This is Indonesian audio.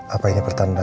apa ini pertanda